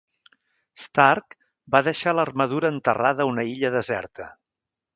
Stark va deixar l'armadura enterrada a una illa deserta.